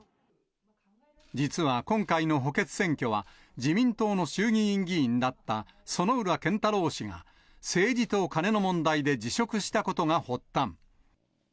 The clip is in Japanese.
実は今回の補欠選挙は、自民党の衆議院議員だった薗浦健太郎氏が、政治とカネの問題で辞職したことが発端。